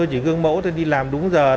chỉ gương mẫu tôi đi làm đúng giờ